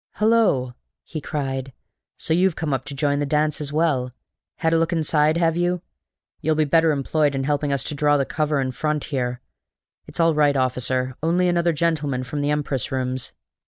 "Hulloa!" he cried. "So you've come up to join the dance as well! Had a look inside, have you? You'll be better employed in helping to draw the cover in front here. It's all right, officer only another gentleman from the Empress Rooms."